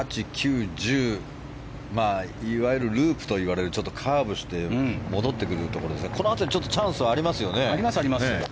いわゆるループといわれるちょっとカーブして戻ってくるところですがこのあとチャンスありますよね。